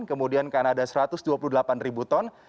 kemudian kanada satu ratus dua puluh delapan ribu ton